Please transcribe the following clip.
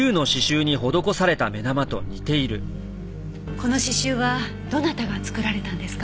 この刺繍はどなたが作られたんですか？